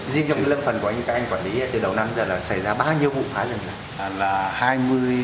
riêng trong lâm phần của anh các anh quản lý từ đầu năm giờ là xảy ra bao nhiêu vụ phá rừng này